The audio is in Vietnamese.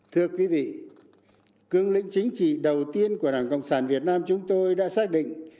thưa quý vị cương lĩnh chính trị đầu tiên của đảng cộng sản việt nam chúng tôi đã xác định